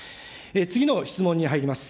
次の質問に入ります。